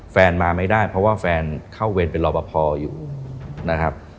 แฟนมาไม่ได้เพราะว่าแฟนเข้าเวรเป็นรอปภอยู่นะครับ